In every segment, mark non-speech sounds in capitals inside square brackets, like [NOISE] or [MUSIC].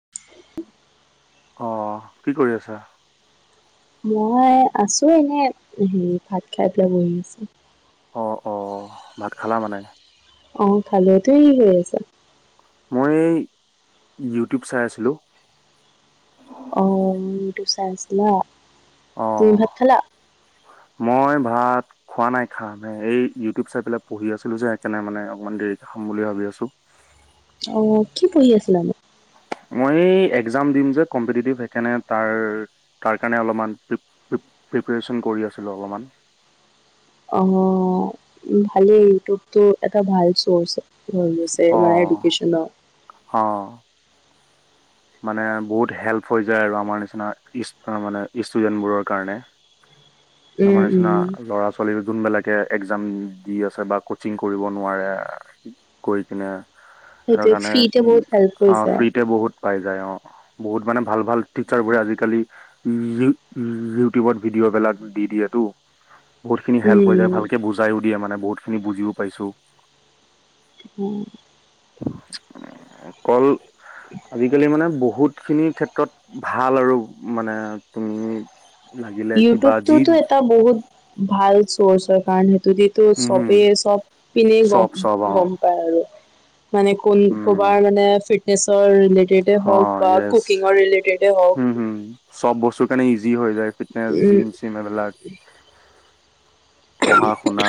[UNINTELLIGIBLE] অহ, কি কৰি আছা? মই আছো এনে, হেৰি ভাত খাই পেলাই বহি আছো। অহ ', - অহ ', ভাত খালা মানে? অহ', খালো। তুমি কি কৰি আছা? মই ইউটিউব চাই আছিলো। অহ ', ইউটিউব চাই আছিলা? তুমি অহ ভাত খালা? ', মই ভাত খোৱা নাই খাম হে। এই ইউটিউব চাই পেলাই পঢ়ি আছিলো যে, সেইকাৰণে মানে অকমান দেৰিকে খাম বুলি ভাবি আছো। অহ ', কি পঢ়ি আছিলা নো? মই একজাম দিম যে কম্পিটেটিভ, তাৰ - তাৰ কাৰণে অলপমান প্ৰি - পপ্ৰি-প্ৰি- প্ৰিপেৰেচন কৰি আছিলো অলপমান। অহ ', ভালেই, ইউটিউবটো এটা ভাল চ'ৰ্চ। হৈ গৈছে মানে অ', এডুকেশ্যনৰ। অ', মানে বহুত হেল্প হৈ যায় আৰু আমাৰ নিচিনাইচ মানে ষ্টুডেন্টবোৰৰ কাৰণে। আমাৰ উম নিচিনা উম ল'ৰা ছোৱালী, যোনবিলাক এক্জাম দি আছে বা কচিং কৰিব নোৱাৰে। কৰি কিনে সেইটো সেইটোৱে কাৰণে ফ্ৰীতে বহুত হেল্প হৈ অ' যায়। ফ্ৰীতে বহুত পাই যায় অ'। বহুত মানে ভাল ভাল টিচাৰ বোৰে আজিকালি [UNINTELLIGIBLE] ইউটিউবত ভিডিঅ' বিলাক দি দিয়েটো। বহুতখিনি হেল্প হৈ যায় উম ভালকে বুজাইও দিয়ে মানে বহুত বহুত খিনি বুজিও পাইছো। উম। কল আজিকালি মানে বহুত খিনি ক্ষেত্ৰত ভাল আৰু মানে লাগিলে কিবা যি তাতো এটা বহুত ভাল কৰ্চৰ কাৰনে যদিতো উম হম চবেই চব পিনে চব গম চব অ গম পায় আৰু। মানে কোল উম কবাৰ মানে ফিত গেছৰ ৰিলেটেডে হওঁক বা কুকিংৰ ৰিলেটেড। হুম হুম, চব বস্তুৰ কাৰনে ইজি হৈ যায়। ফিটনেছ উম জিম চিম এইবিলাক। পঢ়া শুনা।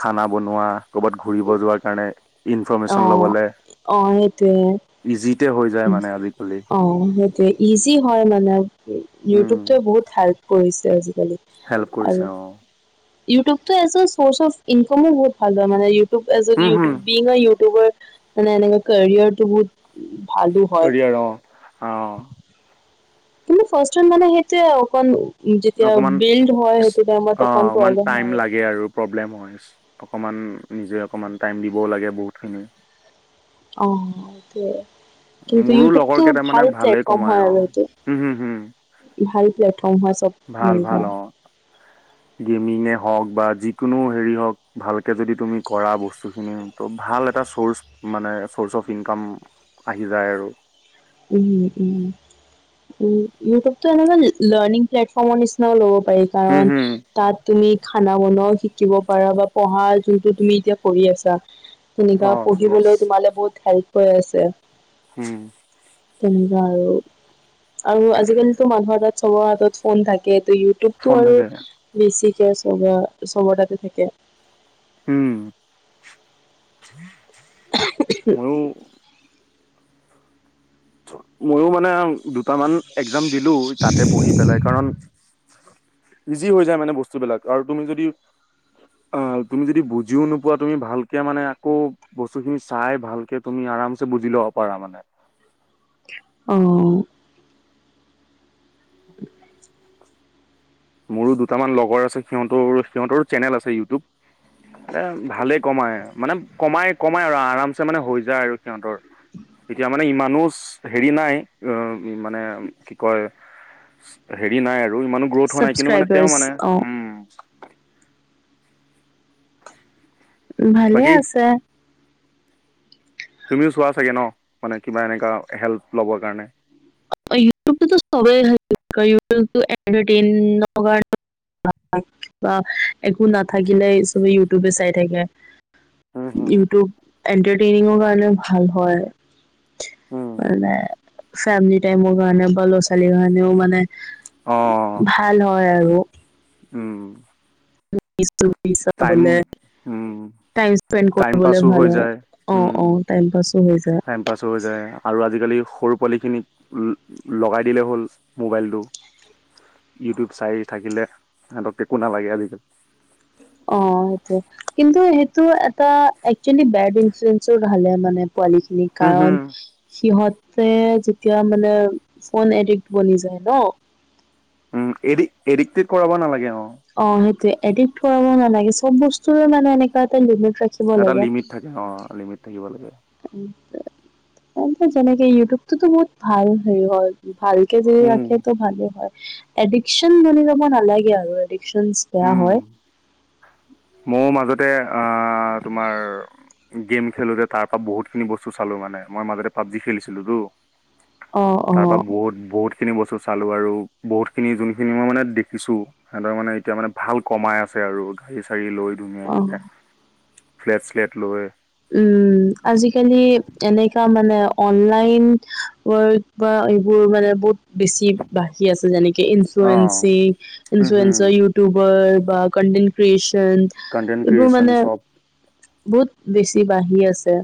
খানা বনোৱা, ক'ৰবাত ঘূৰিব যোৱাৰ কাৰণে। ইনফৰমেশ্যন অ' লবলে, অ' সেইটোৱে ইজিতে হৈ যায়। মানে আজিকালি। অ' সেইটোয়ে ইজি হয় মানে। উম, ইউটিউবটোৱে বহুত সা কৰিছে আজি। হেল্প কৰিছে অ'। ইউটিউবটো এজ এ চৰ্চ অফ ইনকামো বহুত ভাল হয় মানে ই। YouTube as a um, hmm, YouTube ই মানে এনে কেৰিয়াৰটো বহুত। ভালো হয় কেৰিয়াৰ অহ অহ। কিন্তু ফাৰ্ষ মানে সেইটোয়ে অকণ। যেতিয়া অকমান বিল্ড হয় সেইটো টাইমত অকণ অকমান অহ প্ৰব্লেম টাইম হয় লাগে আৰু প্ৰব্লেম হয় অকমান। নিজে অকণমান টাইম দিবও লাগে বহুত খিনি। অহ হেটোয়ে। কিন্তু মোৰো লগৰ ইউটিউবটো কেইটামানে ভাল ভালেই প্লেটফৰ্ম কমাই হয়, অ'। আৰু এইতো উম, হুম, হুম, ভাল প্লেটফৰ্ম। কম হয় চব ভাল মিল ভাল যায়। অ'। গেমিঙে হওঁক বা যিকোনো হেৰি হওঁক, ভালকে যদি তুমি কৰা বস্তুখিনিত, ত ভাল এটা চৰ্চ মানে চৰ্চ অফ ইনকাম আহি যায় আৰু। উম উম উম ইউটিউবটো এনে লৰ্ণং প্লেটফৰ্ম নিচিনা লব পাৰি। পাৰি উম কাৰণ হুম তাত তুমি। খানা বনও শিকিব পাৰা বা পঢ়া যোনটো তুমি এতিয়া পঢ়ি আছা। অ তেনেকুৱা য়েছ পঢ়িবলৈ তোমালে বহুত হেল্প। হৈ আছে। হম। তেনদা আৰু। আৰু আজিকালিটো, মানুহৰ তাত চবৰ হাতত, ফোন থাকে। ইউটিউবতটো, ফোন আৰু থাকে। বেছি চব, চৱৰটাতে থাকে। উম। মইও মইও মানে আ দুটামান, একজাম দিলো, তাতে পঢ়ি পেলাই কাৰণ ইজি, হৈ যায় মানে বস্তুবলাক, আৰু তুমি যদি, আহ, তুমি যদি বুজিও নোপোৱা তুমি ভালকে, মানে আকৌ বস্তুখিনি চাই, ভালকে তুমি আৰামছে বুজি লব, পাৰা মানে। অহ। [INAUDIBLE] মোৰো দুটামান লগৰ আছে, সিহতৰ, সিহতৰো চেনেল আছে ইউটিউব, এ, ভালে কমাই মানে কমাই, কমাই, আৰু আৰামছে মানে হৈ যায়, আৰু সিহতৰ, এতিয়া মানে ইমানো হেৰি নাই, মানে কি কয় হেৰি নাই আৰু। আৰু ইমানো গ্ৰোথ হোৱা নাই, কিন্তু মানে তেওঁ ছাবস্ক্ৰাইবাৰ্চ মানে, অ উম। ভালে, বাকী আছে। তুমিও চোৱা চাগে, ন মানে কিবা এনেকুৱা হেল্প, ল'বৰ কাৰণে। ইউটোব চবে ভাল পাই ইউটোব এডভেটেনমেট্ কাৰণে হয়। একো, নাথাকিলে চবে ইউটিউব চবে চাই থাকে। উম হুম ইউটিউব। এন্ত্ৰাটেইনিং কাৰণে ভাল হয়, উম মানে ফেমিলি টমৰ কাৰণে, বা ল'ৰা, ছোৱালীৰ কাৰণেও মানে অ ভাল হয়, আৰু। উম। [UNINTELLIGIBLE] ছবি টাইম চাবলৈ, উম টাইম স্পেন্ত টাইম কৰিবলে পাছো ভাল হৈ হয়, যায় অ, উম অ, টাইম পাছ। টাইম পাছ হৈ যায়। আৰু আজিকালি সৰু পোৱালিখিনিক লগাই দিলে হ'ল, মোবাইলটো ইউটিউব, চাই থাকিলে, সিহতক একো, নালাগে আজিকালি। অ, সেইটোৱে, কিন্তু সেইটো, এটা একেল বেড ইনফ্লুৱেঞ্জা ভাবে মানে। পোৱালি খিনি হম হম কাৰণ, সিহত তে, যেতিয়া মানে, ফোন এডিক্ট বনি যায় ন। উম, এড, এডিক্ট কৰাব নালাগে। অ। অ, সেইটোয়ে। এডিক্ট কৰা নালাগে, চব বস্তুৰে মানে, এনেকুৱা এটা লিমিট ৰাখিব এটা লাগে লিমিট থাকে, অ, লিমিট থাকিব লাগে। যেনেকে ইউটিউবটোতো বহুত ভাল হেৰি হয়। ভালকে যদি উম ৰাখে তো ভালে হয়। এডিকশ্যন বনি যাব নালাগে আৰু এডিক সন্স বেয়া উম হয়। ময়ো মাজতে আ তোমাৰ গেম খেলোতে তাৰ পৰা বহুতখিনি বস্তু চালো মানে, মই মাজতে পাবজি খেলিছিলোতো। অ অ তাৰ পা বহুত বহুত খিনি বস্তু চালো আৰু বহুত খিনি যোনখিনি মই মানে দেখিছো সিহঁতৰ মানে এতিয়া মানে ভাল কমাই আছে আৰু গাড়ী চাৰি লৈ ধুনীয়া অ কিতা ফ্লেট-শ্লেট লৈ উম, আজিকালি এনেকা মানে অনলাইন ৱৰ্ক বা এইবোৰ মানে বহুত বেছি বাঢ়ি আছে, যেনেকে অ ইনফ্লুৱেঞ্চিং, হম হম ইনফ্লুয়েঞ্চাৰ, ইউটিউবাৰ। বা কণ্টেণ্ট ক্ৰিয়েচ চন কন্টেন্ট এইবোৰ ক্ৰিয়েচন মানে চব বহুত বেছি বাঢ়ি আছে।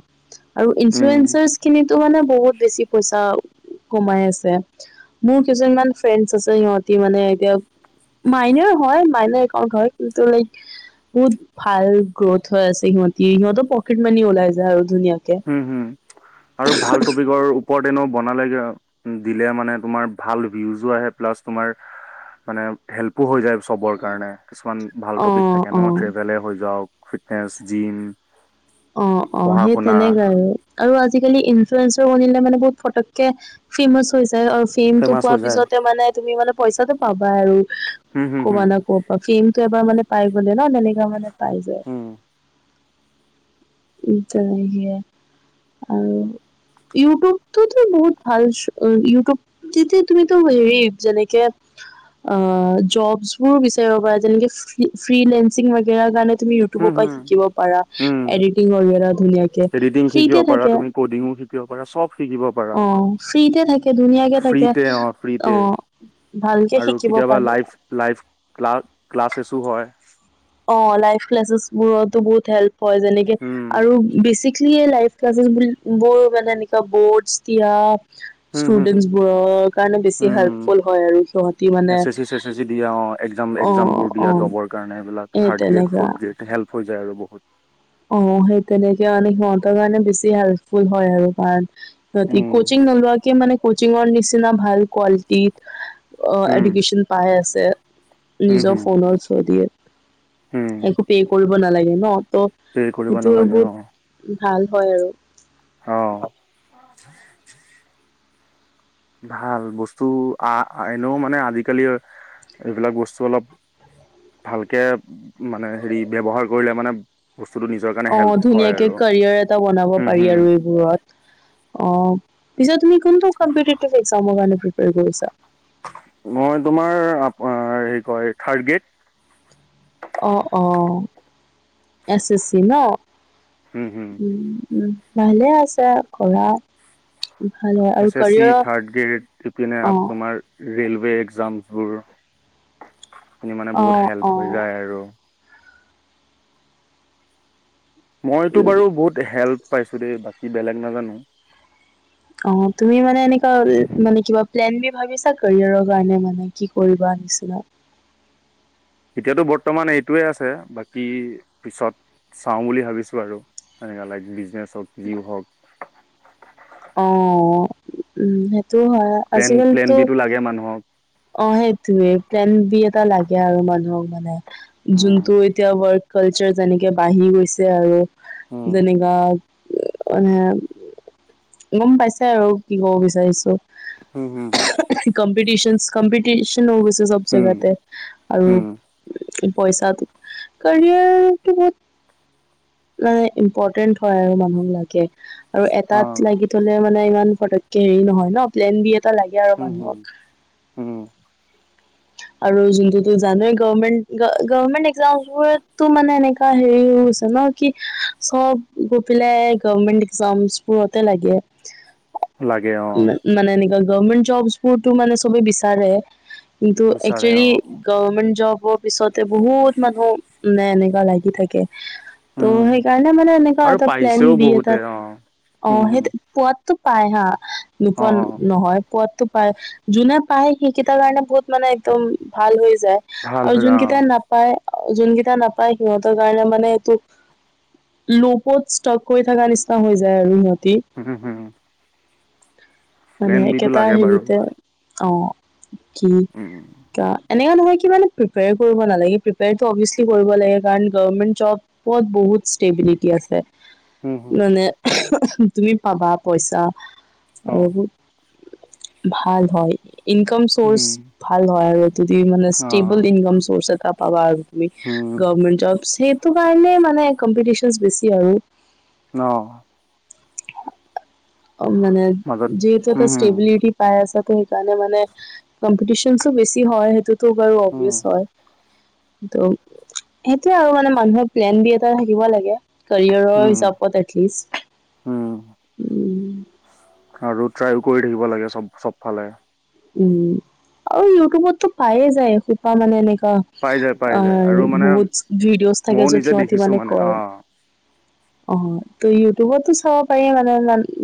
আৰু উম ইনচুয়েঞ্চাৰচ খিনি টো মানে বহুত বেছি পইচা কমাই আছে, মোৰ কেইজনমান ফ্ৰেণ্ডচ আছে সিহঁতি মানে এতিয়া মাইনাৰ হয়, মাইনাৰ একাউন্ট হয়, কিন্তু লাইক বহুত ভাল গ্ৰ'থ হৈ আছে সিহঁত। কিহঁতক মানি ওলাই যায় আৰু। হুম, হুম আৰু ভাল টপিকৰ ওপ ওপৰত এনেও বনালেগে দিলে মানে তোমাৰ ভাল ভিউজো আহে প্লাছ তোমাৰ মানে হেল্পো হৈ যায় চবৰ কাৰণে। কিছুমান ভাল অ টপিক থাকে ন, অ ট্ৰেভেলে হৈ যাওক, ফিট ফেচ, জিম। অ', অ', পঢ়া সেই শুনা তেনেকাই আৰু। আৰু আজিকালি ইনফ্লুয়েঞ্চাৰ বনিলে মানে বহুত ফটককে ফেমাচ হৈ যায় আৰু ফেমটো ফেমাচ হৈ পোৱাৰ যায় পিছতে মানে, তুমি মানে পইচাটো পাব বই আৰু হম হম ক'বা না কৰ পৰা, ফেমটো এবাৰ মানে পাই গ'লে ন, তেনেকা মানে পাই যায়। হম তেনেকে আৰু ইউটিউবটোতো বহুত ভাল চ', ইউটিউবতোটে তুমিতো হেৰি যেনেকে আ জবছবোৰ বিচাৰিব পাৰা, কেনেকে, ফ্ৰী, ফ্ৰীলাঞ্চিং ৱাগেৰা কাৰণে তুমি ইউটিউবৰ হম পৰা হম শিকিব পাৰা উম এডিটিং ৱাগেৰা এডিটিং শিকিব পাৰা ধুনীয়াকে তুমি কডিঙো শিকিব পাৰা চব শিকিব পাৰা অ', ফ্ৰীতে থাকে ধুনীয়াকে থাকে ফ্ৰীতে অ ফ্ৰীতে অ', ভালকে শিকিব পাৰি। ক্লাছ ক্লাছেচও হয় । অ', লাইভ ক্লাছেছ বোৰতো বহুত হেল্প হয় যেনেকে উম আৰু বেছিক লিয়ে লাইভ ক্লাচেছ মানে এনেকোৱা বৰ্ডছ দিয়া হম হম ষ্টুডেন্টছবোৰৰ কাৰণে বেছি উম হেল্পফুল হয় আৰু সিহতি মানে এছ এছ চি চেছ এছ চি দিয়া অ এক্সাম এক্সাম অ', বোৰ দিয়া জবৰ কাৰণে এইবিলাক অ' এই থাৰ্ড গেড, তেনেকা ফৰ্ড গ্ৰেড হেল্প হৈ আৰু বহুত অ', সেই তেনেকে মানে সিহঁতৰ কাৰণে বেছি হেল্পফুল হয় আৰু কাৰণ সিহঁতে উম কোচিং নোলোৱাকে মানে কোচিংৰ নিচিনা ভাল কোৱালিটি অ' উম এডুকেচন পাই আছে উম নিজৰ হুম ফোনৰ থ্ৰু দিয়ে উম একো পে কৰিব নালাগে ন ত' পে কৰিব সেইটো নালাগে বহুত অ ভাল হয় আৰু। অ [INAUDIBLE] ভাল বস্তু আহ এনেও মানে আজিকালি এইবিলাক বস্তু অলপ ভালকে মানে হেৰি ব্যৱহাৰ কৰিলে মানে বস্তুটো নিজৰ কাৰণে হেল্প অ', হয় ধুনীয়াকে আৰু কেৰিয়াৰ এটা বনাব হুম পাৰি হুম আৰু এইবোৰত অ'। পিছত। কম্পিটেটিভ এক্সামৰ কাৰণে কি কৰিছা। মই তোমাৰ আপ হে কয় থাৰ্ড গ্ৰেড অ, অ এছ এ চি ন। হম হম। উ ভালে আছা ঘৰা [UNINTELLIGIBLE] S S C, third grade ইপিনে অ তোমাৰ ৰে'লৱে এক্সামবোৰ । মানে অ বহুত অ হেল্প হৈ যায় আৰু মইতো উম বাৰু বহুত হেল্প পাইছো দেই বাকী বেলেগ নাজানো। অ তুমি মানে এনেকুৱা মানে কিবা প্লেন বি ভাবিছা কেৰিয়াৰৰ কাৰণে মানে কি কৰিবা পিছলে। এতিয়াতো বৰ্তমান এইটোৱে আছে বাকী পিছত চাওঁ বুলি ভাবিছো আৰু এনে লাইক বিজনেছ । যি হওক অ', উম, সেই তটো হয়। প্লেন প্লেন আজিকালিটো বিটো লাগে মানুহক এতিয়া আৰু মানুহক মানে। উম যোনটো এতিয়া ৱৰ্ক কালচাৰ, যেনেকে বাঢ়ি গৈছে আৰু। উম, যেনেকা মানে গম পাইছা, আৰু কি কব বিচাৰিছো। হুম হুম কম্পিটিচ কম্পেটিছ, কম্পি ন, হৈ গৈছে চব হুম জেগাতে আৰু হুম পইচা, কেৰিয়াৰটো বহুত মানে, ইম্পৰ্টেণ্ট হয় আৰু মানুহ বিলাকে। আৰু অ এটাত লাগি থলে, মানে ইমান ফটকে হেৰি নহয়, ন, প্লেন বি লাগে আৰু হুম হুম মানুহক। হুম আৰু যোনটোতো জানেই, গমেণ্ট, গভমেণ্ট [UNINTELLIGIBLE] মানে এনেক এ, হেৰি হৈছে ন, কি চব গৈ, পেলাই গভমেন্ট এক্সামবোৰতে লাগে। লাগে অ মানে এনেকুৱা, গৱমেণ্ট জবছ বোৰতো, মানে চবে বিচাৰে। কিন্তু বিচাৰে অ একচেলি, গভমেণ্ট জব। পিছতে বহুত মানুহ এনেকুৱা লাগি থাকে। ত' উম সেইকাৰণে মানে, এনেকুৱা আৰু এটা প্লেন পাইছেও বি, বহুতে এটাত অ অ, হুম সেই হুম, পোৱাত টো, পাই হা। অ নোপোৱা নহয় পোৱাত পায় যোনে পায়, সেইকেইটাৰ কাৰণে বহুত মানে একদম ভাল হৈ যায়। ভাল আৰু হয় অ যোনকেইট নাপায় যোনকেইটা নাপায়, সিহতৰ কাৰণে, মানে এইটো লোপত, ষ্ট্ৰোক কৰি থকা নিচিনা হৈ যায়, আৰু সিহত। উম, হম্। মানে একেটা বাৰু হেৰিতে অ, কি উম এনেকা নহয় কি মানে প্ৰিপয়াৰ কৰিব নালাগেজ প্ৰিপয়াৰটো অভিয়াচলি কৰিব লাগে, কাৰণ গমেন্ট জবত বহুত ষ্টেবিলিটি আছে। হুম হুম মানে তুমি পাবা পইচা। অ আৰু ভাল হয়, ইনকাম উম চ'ৰ্চ ভাল হয় আৰু যদি মানে অ ষ্টেবল ইনকাম চ পইচা এটা পাবা আৰু। তুমি উম গভমেণ্ট জব চেৱ টো কাৰণে মানে কম্পিটিচনচ বেছি আৰু। অ'। অ মানে মাজত যিহেতু উম এটা হম ষ্টেবিলিটি পাই আছা। সেইকাৰণে মানে কম্পিটিচনচ ও বেছি হয় সেইটো তো বাৰু উম অভিয়াছ হয়। ত, সেইটোয়ে আৰু মানে মানুহৰ প্লেন বি এটা থাকিব লাগে। কাৰীয়াৰৰ উম হিচাপত এটলিষ্ট। উম উম আৰু ট্ৰাইও কৰি থাকিবা। লাগে চব, চবফালে। উম আৰু ইউটিউবততো পায়ে যায় এখোপা মানে এনেকে। অ' পাই যায় পাই যায় আৰু মানে বহুতচ ভিডিঅ'জ থাকে, ময়ো য'ত নিজে সিহঁতি দেখিছো মানে কয়। অ অ', ত ইউটিউবটো চাব পাৰি মানে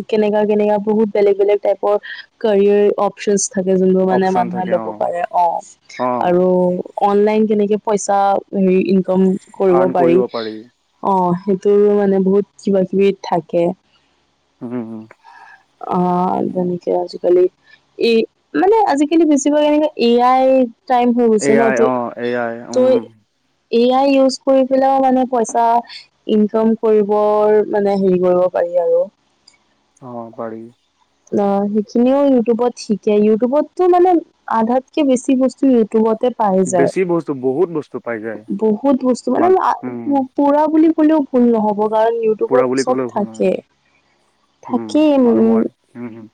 কেনেকা, কেনেকা বহুত বেলেগ বেলেগ টাইপৰ কাৰীয়াৰ অপচনছ। থাকে যোনবোৰ মানে অপচন মানুহে থাকে ল'ব অ পাৰে, অ' অ আৰু অনলাইন কেনেকে পইচা নি ইউ কম কৰিব পাৰি অ', সেইটো ত' মানে বহুত কিবা-কিবি থাকে। উম অ', যেনেকে আজিকালি এই মানে আজিকালি বেছিভাগ এনেকে এ আই টাইম হৈ এ গৈছে ন, আই ত' অ এ আই তই উম এ আই ইউজ কৰি পেলেও মানে পইচা ইনকাম কৰিবৰ মানে হেৰি কৰিব পাৰি আৰু। অ', পাৰি। অ', সেইখিনিও ইউটিউবত শিকে, ইউটিউবতটো মানে আধাতকে বেছি বস্তু বতে পাই যায়, বেছি বস্তু বহুত বস্তু পাই যায় বহুত বস্তু, মানে মান ম আ, উম পুৰা বুলি কলেও ভুল নহ'ব। কাৰণ পুৰা ইউটিউবত বুলি চব ক'লেও ভুল থাকে, নহয় উম থাকি আৰু উম। মই উম,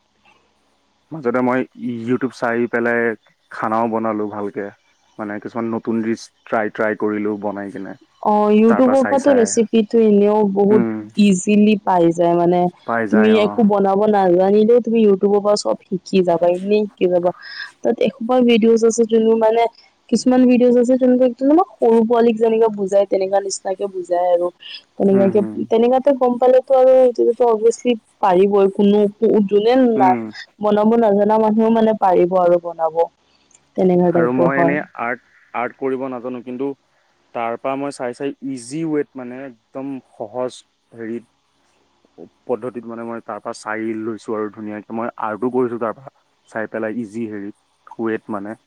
মাজতে মই ইউটিউব চাই পেলাই খানাও বনালো ভালকে, মানে কিছুমান নতুন ডিচ ট্ৰাই, ট্ৰাই কৰিলো বনাই। কিনে অ', তাৰ পৰা ইউটিউবৰ চাই পৰাতো চাই ৰেচিপিটো এনেও বহুত উম। ইজিলি পাৰি এতিয়া মানে পাই তুমি যায় অ একো বনাব নাজানিলেওঁ তুমি ইউটিউবৰ পৰাও চব শিক শিকি যাবা এনেই শিকি যাবা তাত এসোপা ভিডিঅ'জ আছে যোনবোৰ মানে কিছুমান ভিডিঅ'জ আছে তেনেকা সৰু পোৱালীক যেনেকে বুজাই বুজাই তেনেকুৱা নিচিনাকে বুজাই আৰু উম তেনেকাকে হম তেনেকাতে গম ফালেতো আৰু তেতিয়াটো অভিয়াচলি পাৰিবই কোনো কো যোনে না উম বনাব নাজানে না মানুহও মানে পাৰিব আৰু বনাব তেনেকা আৰু টাইপৰ মই হয়। এনেই আৰ্ট আৰ্ট কৰিব নাজানো কিন্তু তাৰ পৰা মই চাই চাই ইজি ৱেট মানে একদম সহজ হেৰিত পদ্ধতিত মানে মই তাৰ পৰা চাই লৈছো আৰু ধুনীয়াকে মই আৰ্টো কৰিছো তাৰ পৰা চাই পেলাই ইজি হেৰি ৱেট মানে